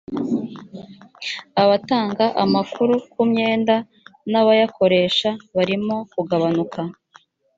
abatanga amakuru ku myenda n’abayakoresha barimo kugabanuka